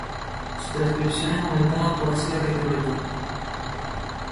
Su transcripción es aumentada por ácido retinoico.